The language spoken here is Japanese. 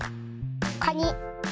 カニ。